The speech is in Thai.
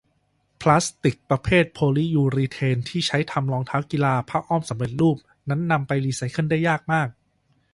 พลาสติกประเภทโพลิยูรีเทนที่ใช้ทำรองเท้ากีฬา ผ้าอ้อมสำเร็จรูป นั้นนำไปรีไซเคิลได้ยากมาก